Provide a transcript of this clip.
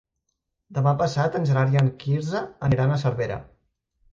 Demà passat en Gerard i en Quirze aniran a Cervera.